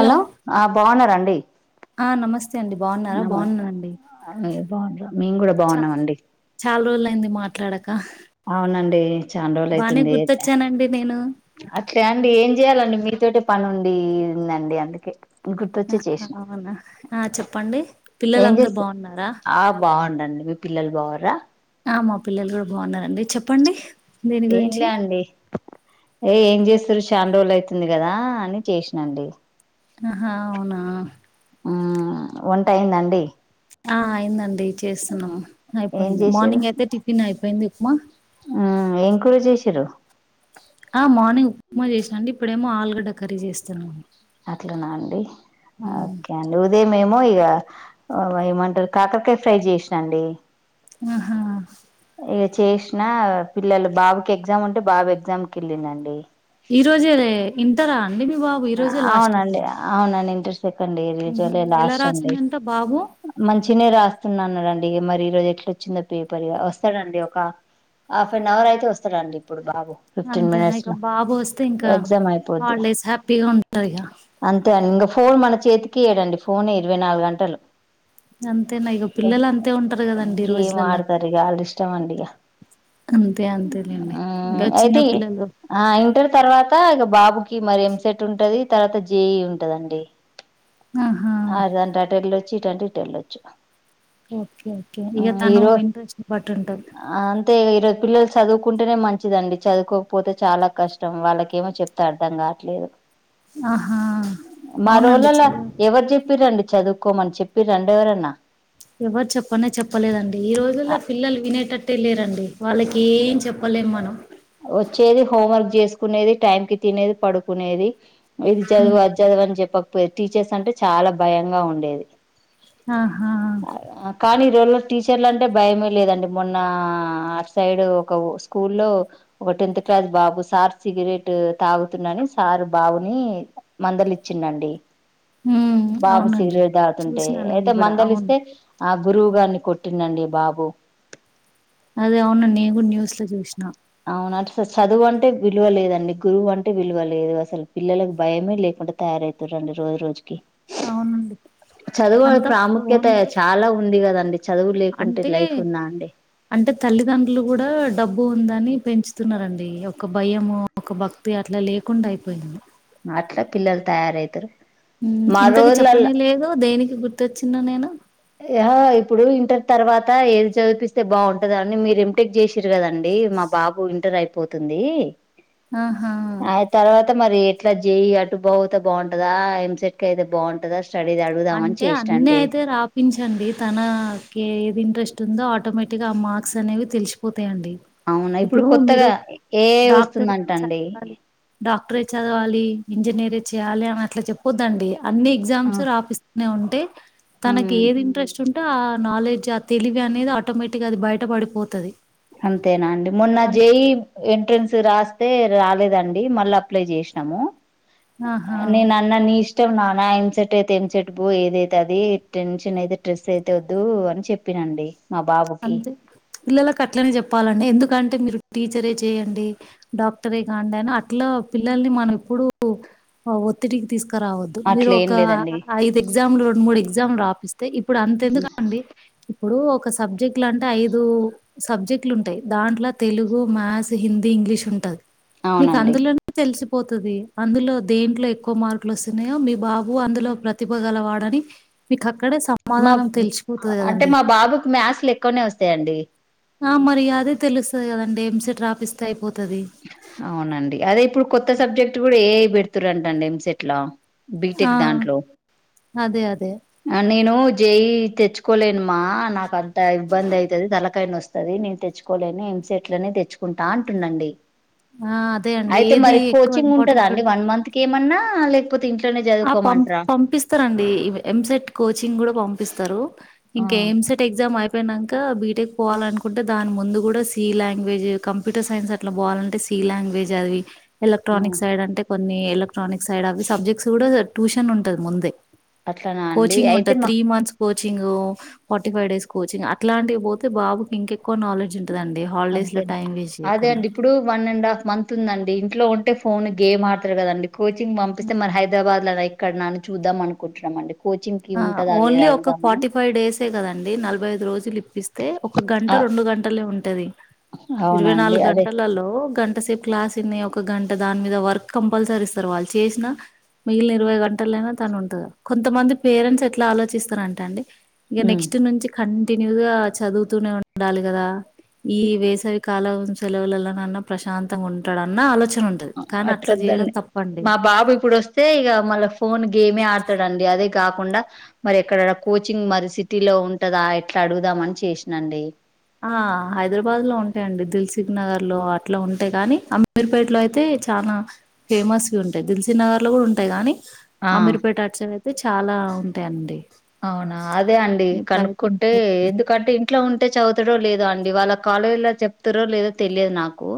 Hello ఆ బాగునారం డి ఆ నమస్ [unintelligible] మేము కూడా బాగున్నాం అండి డ అవునండి చానా రోజులు బానే అయితుంది గుర్తొచ్చానండి నేను అట్లే అండి ఏం చెయాలండి మీరు చోటి పని ఉండిందండి అందుకే గుర్తొచ్చి ఆ చేసిన అవునా ఆ చెప్పండి పిల్లలు ఏం అందరు చేస్తారు బాగున్నారా ఆ బాగుండండి మీ పిల్లలు బాగురా ఆ మా పిల్లలు కూడా బాగున్నారండి చెప్పండి. దేని ఏం గురించి లే అండి ఏ ఏం చేస్ చూసి చాన్ రోజులు అవుతుంది కదా అని చేసిన అండి. ఆహా అవునా ఆ వంట అయిందండి ఆ అయిందండి చేస్తున్నాము. ఏం అయిపోయింది చేసారు మార్నింగ్ అయితే టిఫిన్ అయిపోయింది ఉప్మా ఏం కూర చేసిరు ఆ మార్నింగ్ ఉప్మా చేసాండి ఇప్పుడేమో ఆలుగడ్డ కర్రీ చేస్తున్నాను అట్ల నా అండి మ్మ్. ఓకే అండి ఉదయం మేమో ఇగ అ ఏమంటారు కాకరకాయ ఫ్రై చేసాండి ఆహా ఇక చేసినా పిల్లలు బాబుకి ఎగ్జామ్ ఉంటే బాబు ఎగ్జామ్కి వెళ్ళిండు అండి ఈ రోజేనే ఇంటరా అండి మీ బాబు ఈ రోజే లాస్ట్ అవునండి అట్టుంది అవునండి ఇంట్రెస్ట్ సెకండ్ ఇయర్ ఉహు జువల్ ఎలా లాస్ట్ అండి రాసిందంట బాబు మంచినే రాస్తున్నాడండి మ ఈరోజు ఎట్లా వచ్చందా పేపరిగా వస్తా అండి హాఫ్ అన్ అవర్ అయితే వస్తాడండి ఇప్పుడు బాబు ఫిఫ్టీన్ అంతేనా మినిట్స్ ఇక లో బాబు వస్తే ఇంకా ఎగ్జామ్ అయిపోద్ది హాలిడేస్ హ్యాపీ ఉంటాదిగ అంతే అండి ఇంకా ఫోన్ మన చేతికి ఈడండి ఫోన్ ఏ ఇరవై నాలుగు గంటలు అంతేనా ఇక పిల్లలు అంతే ఉంటారు ఎ కదండి ఈ గేమ్ రోజులలా ఆడతారు ఇక వాళ్ళ ఇష్టం అండి ఇక అంతే అంతేలేండి ఇంకా చిన్న అయితే పిల్లలు ఆ ఇంటర్ తర్వాత ఇక బాబు ఓకే మరి ఏం చేద్దాం ఉంటది తర్వాత జేయి ఉంటదండి ఆహా అదంటటలో వచ్చీటటోల్ ఓకే ఓకే ఇక తను ఇంట్రెస్ట్ ని పట్టి ఉంటది అంతే ఈరోజు పిల్లలు చదువుకుంటేనే మంచిదండి. చదువుకోకపోతే చాలా కష్టం వాళ్ళకేమో చెప్తే అర్థం కావట్లేదు. ఆహా మా అవునండి రోళ్లలా చాలు ఎవరు చెప్పిరండి చదువుకోమని చెప్పి రెండ ఎవరన్నా ఎవరు చెప్పన చెప్పలేదండి ఈ రోజుల్లో పిల్లలు వినేటట్టు లేరండి వాళ్ళకి ఏం చెప్పలేము మనం వచ్చేది హోం వర్క్ చేసుకునేది టైం కి తినేది పడుకునేది ఇది హ్మ్. చదువు అది చదువు అని చెప్పక్ టీచర్స్ అంటే చాలా భయంగా ఉండేది. ఆహా కానీ ఈ రోజుల్లో టీచర్లు అంటే భయమే లేదండి మొన్న అట్ సైడ్ ఒక స్కూల్లో ఒక టెన్త్ క్లాస్ బాబు సార్ సిగరేట్ తాగుతున్నని సార్ బాపుని మందలిచ్చిండ్ అండి హ్మ్. బాబు అవునండి సిగరెట్ తాగుతుంటే చూసినా అయితే నేను కూడా అవును మందలిస్తే ఆ గురువు గారిని కొట్టినండి బాబు అదే అవును నేను గుడా న్యూస్ లో చూసిన అవున అట్ ఫస్ట్ చదువు అంటే విలువ లేదండి గురువు అంటే విలువ లేదు అసలు పిల్లలకు భయమే లేకుండా తయారయితుర్రు రో రోజుకి అవునండి చదువు అంతా ప్రాముఖ్యత ఫోన్లు చాలా ఉంది కదండి చదువు లేకుంటే అంటే లైఫ్ ఉందా అండి అంటే తల్లిదండ్రులు కూడా డబ్బు ఉందని పెంచుతున్నారండి ఒక భయము ఒక భక్తి అట్లా లేకుండా అయిపోయింది. అట్లే పిల్లలు తయారయితారు. ఉం ఇంతకి చెప్పనే లేదు దేనికి గుర్తొచ్చిన్ను నేను యా ఇప్పుడు ఇంటర్ తర్వాత ఏది చదివిపిస్తే బాగుంటదని మీరు ఎం టెక్ చేసిర్రు కదండి మా బాబు ఇంటర్ అయిపోతుంది. ఆహా ఆ తర్వాత మరి ఇట్లా జేయి అటు బోతే బాగుంటందా ఎం సెట్ క అయితే బాగుంటదా స్టడీది అడుగుదామని అంటే అన్నీ చేసినండి అయితే రాపించ్ అవునండి తనకి ఏది ఇంట్రెస్ట్ ఉందో ఆటోమేటిక్ గా ఆ మార్క్స్ అనేవి తెలిసిపో తయి అండి అవునా ఇప్పుడు మీరు కొత్తగా ఏ డాక్టరె వస్తుందంటండి చదవాలి డాక్టరే చదవాలి ఇంజనీర్ చేయాలి అని అట్లా చెప్పొద్దండి అన్ని ఆ ఎగ్జామ్స్ రాపిస్ ఏ ఉంటే ఉమ్ తనకి ఏది ఇంట్రెస్ట్ ఉన్ త ఆ నాలెడ్జ్ ఆ తెలివి అనేది ఆటోమేటిక్గా అది బయట పడిపోతది అంతేనా అండి మొన్న అన్ జెఇ ఎంట్రెన్స్ రాస్తే రాలేదండి మళ్ళ అప్లై చేసినాము ఆహా నేను అన్న నీ ఇష్టం నా నా ఎంసెట్ అయితే ఎంసెట్ పో ఏదైతే అది టెన్షన్ అయితే స్ట్రెస్ అయితే వద్దు అని చెప్పిన అండి అంతే పిల్లలకు అట్లనే చెప్ ప్పాలండి ఎందుకంటే మీరు టీచరే చేయండి డాక్టరే కాండి అని అట్లా పిల్లల్ని మనం ఎప్పుడూ ఒత్తిడికి తీసుకు రావద్దు మీరు అట్లే ఏం ఒక లేదండి ఐదు ఎగ్జామ్లు మూడు ఎగ్జామ్ రా ఇప్పుడు అంతెందుకండి ఇప్పుడు ఒక స్ సబ్జెక్టులు అంటే ఐదు సబ్జెక్టులు ఉంటాయి దాంట్లో తెలుగు, మ్యాథ్స్, హిందీ, ఇంగ్లీష్, ఉంటయి మీకు అవునండి అందులోనే తెలిసు పోతది అందులో దేంట్లో ఎక్కువ మార్కులు వస్తున్నాయో మీ బాబు అందులో ప్రతిభ గలవాడని మీకక్క. మా బ్ అంటే మా బాబుకు మ్యాస్ లెక్కువనే వస్తాయండి. ఆ మరి అదే తెలుస్తది కదండి ఎంసెట్ రాపిస్తే అయిపో. అవునండి అదే ఇప్పుడు కొత్త సబ్జెక్ట్ కూడా ఏ పెడుతురంటండి ఎంసెట్లో ఆ బీటెక్ దాంట్లో అదే అదే ఆ నేను జే ఈ తెచ్చుకోలేను. మా నాకు అంత ఇబ్బంది అయితది తలకాయనస్తది. నస్తది నేను తెచ్చుకోలేని ఏంసెట్లనే తెచ్చుకుంటా అంటుదండి. ఆ అదే అండి అయితే ఏది మరి ఎక్కువ కోచింగ్ ఉంటదా ఇంపార్టెంట్ అండి ఉంటే వన్ మంత్ కి ఏమన్నా. ఆ లే ఆ పం పంపిస్తారండి ఎంసెట్ కోచింగ్ కూడా పంపి ప్పిస్తరు. ఆ ఇంకా ఎంసేట్ ఎక్సామ్ అయిపో అయిపోయినాక బీటెక్ పోవాలనుకుంటే దాని ముందు కూడా సి లాంగ్వేజ్ కంప్యూటర్ సైన్స్ అట్లా పోవాలంటే సి లాంగ్వేజ్ అవి ఆ ఎలక్ట్రానిక్ సైడ్ అంటే. కొన్ని ఎలక్ట్రానిక్ సైడ్ అవి సబ్జెక్ట్స్. తోడ ట్యూషన్ ఉంటది ముందే అట్లనా అండి కోచింగ్ అయితే ఉంటది మా three months coach coaching forty five days coaching అట్లాంటివి పోతే బాబుకి ఇంకెక్కువ నాలెడ్జ్ ఉంట అంతేనా అదే అండి ఇప్పుడు వన్ అండ్ హాఫ్ మంత్ ఉందండి ఇంట్లో ఉంటే ఫోన్ గేమ్ ఆడతారు కదండి. కోచింగ్ పంపిస్తే మరి హైదరాబాద్. కద ఇక్కడ న చూద్దాం అనుకుంటున్నాం అండి. ఆ ఓన్లీ ఒక ఫార్టీ ఫైవ్ డేసే కదండి నలభై ఐదు రోజులు ఇప్పిస్తే ఒక గంట ఆ! రెండు గంటలే ఉండ టది. అవునా ఇరవై అండి నాలుగు అదే గంటలలో గంట గంట సేపు క్లాస్ విని ఒక గంట దాని మీద వర్క్ కంపల్సరీ ఇస్తారు వాళ్ళు చేసినా మిగిలిన ఇరవై గంటలయినా తను ఉంటది. కొంతమంది. పేరెంట్స్ ఎట్లా ఆలోచిస్తారంటే అండి. ఇగ ఉమ్ నెక్స్ట్ నుంచి కన్ కంటిన్యూ గా చదువుతూనే ఉండాలి కదా ఈ వేసవి కాలం సెలవులలోన్నా ప్రశాంతంగా ఉంటాడన్న ఆలోచన ఉంటది కానీ అట్లా చేయడం అట్లద్దండి తప్పండి మా బాబు ఇప్పుడు వస్తే ఇక మళ్ళా ఫోన్ గేమే ఆడతాడండి అదే కాకుండా మరి ఎక్కడ కోచింగ్ మరి సిటీలో ఉంటదా ఎట్లా అడుగుదాం అని చేసినండి ఆ హైదరాబాద్ లో ఉంటాయండి దిల్ సిక్ నగర్ లో అట్లా ఉంటాయి కానీ అమిరుపేటలో అయితే చాలా ఫేమస్ వి ఉంటాయి దిల్సీ నగర్ లో కూడా ఉంటాయి గానీ ఆ అమీర్పేఠ అచ అతే చాలా ఉంటాయిండి అవునా అదే అండి కనుక్కుంటే ఎందుకంటే ఇ ఇట్లా ఉంటే చదువుతారో లేదో అండి వాళ్ళ కాలేజీలా చెప్తారో లేదో తెలియదు నాకు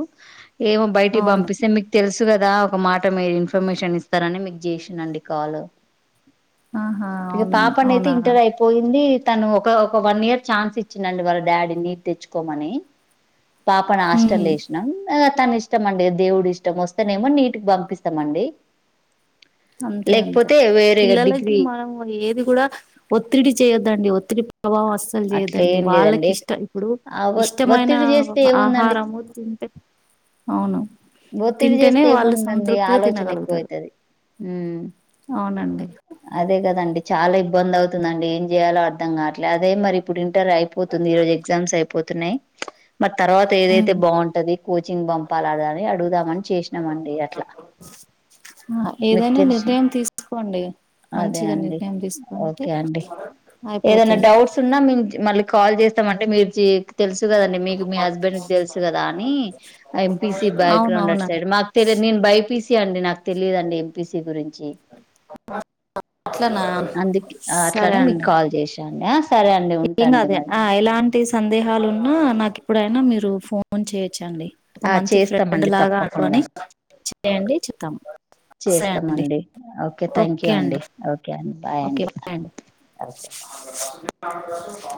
ఏమో బయటికి అవును పంపిస్తే మీకు తెలుసు కదా ఒక మాట మీరు ఇన్ఫర్మేషన్ ఇస్తారని మీకు చేసినండి కాల్ ఆహా అవును కాపన్ అయితే ఇంటర్ అయిపోయింది తను ఒక ఒక వన్ ఇయర్ ఛాన్స్ ఇచ్చినండి వాళ్ళ డాడీ నీట్ తెచ్చుకోమని పాపణ ఉమ్ ఆష్టలేషణం తని ఇష్టం అండి దేవుడు ఇష్టం వస్తేనే ఏమో నీటికి పంపిస్తామండి అంతే అంతే లేకపోతే వేరే పిల్లలకి డిగ్రీ మనం ఏది కూడా ఒత్తిడి చేయొద్దండి ఒత్తిడి ప్రభావం అస్సలు అట్లా చేయదండి ఏం వాళ్ళకి లేదండి ఇష్ట ఇప్పుడు ఆ ఒ ఇష్టమైన ఒత్తిడి చేస్తే ఏముందండి ఆహారము తింటే అవును ఒత్తిడి తింటేనే చేస్తే వాళ్ళు సంతృప్తిగా తినగలుగుతారు ఊ అవునండి అదే అండి చాలా ఇబ్బంది అవుతుందండి ఏం చేయాలో అర్థం కా అదే మరి ఇప్పుడు ఇంటర్ అయిపోతుంది ఈ రోజు ఎగ్జామ్స్ అయిపోతున్నా్ మ తర్వాత ఏదైతే హ్మ్. బాగుంటది కోచింగ్ పంపాలు ఆడదని అడుదామంట ఆ మీకు ఏదైనా తెలిసి నిర్ణయం తీసుకోండి అదే మంచిగా అండి నిర్ణయం తీసుకుంటే ఓకే అండి ఏదైనా అయిపోతుంది డౌట్స్ ఉన్నా మించి మల కాల్ చేస్తామంటే మీరు జే తెలుసు కదండి మీకు మీ హస్బెండ్ కి తెలుసు కదా అని ఎంపీసి బ్యాక్ గ్రౌండ్ అవునవునండి అట్సైడ్ మాకు తెలిదు నేను బైపీ అండి నాకు తెలియదండి ఎంపీసీ గురిం అట్లనా అందుకే సరే అట్లానే మీకు అండి కాల్ చేసా ఆ ఏం కాదే ఎలాంటి సందేహాలు ఉన్నా నాకి ఇప్పుడైనా మీరు ఫోన్ చేయొచ్చండి ఒక ఆ మంచి ఫ్రెండ్ చేస్తామండి లాగా తప్పకుండా అనుకొని చెయ్యండి చూతాము సే అండి చేస్తామండి థ్యాంక్ ఓకే యూ అండి ఓకే అండి బాయ్ ఓకే అండి బాయ ఓకే అండి